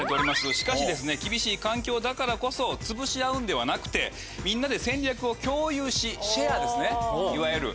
しかし厳しい環境だからこそつぶし合うんではなくてみんなで戦略を共有しシェアですねいわゆる。